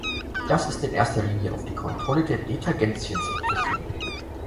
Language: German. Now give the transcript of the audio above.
Das ist in erster Linie auf die Kontrolle der Detergenzien zurückzuführen.